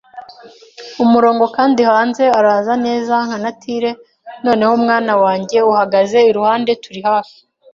umurongo, kandi hanze araza neza nka natur '. Noneho, mwana wanjye, uhagaze iruhande. Turi hafi